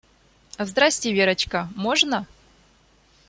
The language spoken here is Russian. Здрасте, Верочка, можно?